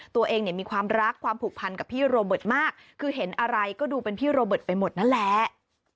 ตัวเองเนี่ยมีความรักความผูกพันกับพี่โรเบิร์ตมากคือเห็นอะไรก็ดูเป็นพี่โรเบิร์ตไปหมดนั่นแหละ